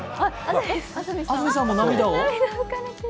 あ、安住さんも涙を？